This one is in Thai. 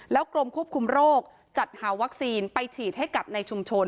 กรมควบคุมโรคจัดหาวัคซีนไปฉีดให้กับในชุมชน